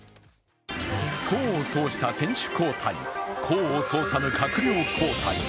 功を奏した選手交代功を奏さぬ閣僚交代。